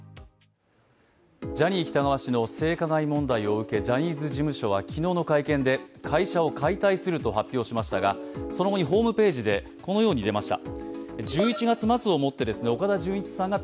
ジャニー喜多川氏の性加害問題を受けジャニーズ事務所は昨日の会見で会社を解体すると発表しましたがその後にホームページでこのように出ました。